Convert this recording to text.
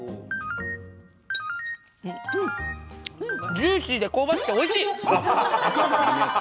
ジューシーで香ばしくておいしい！